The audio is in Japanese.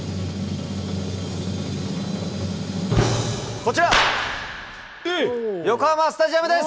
こちら、横浜スタジアムです。